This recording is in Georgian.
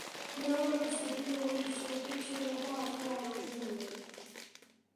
მეორე მსოფლიო ომის შემდეგ შენობა აღარ აღუდგენიათ.